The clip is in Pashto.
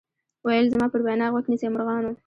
ویل زما پر وینا غوږ نیسۍ مرغانو